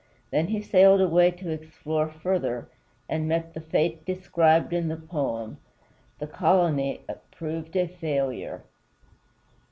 Then he sailed away to explore further, and met the fate described in the poem. The colony proved a failure.